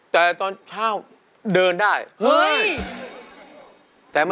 แต่ตอนเช่าเดินได้